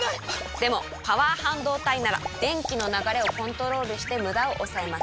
でもパワー半導体なら電気の流れをコントロールしてムダを抑えます。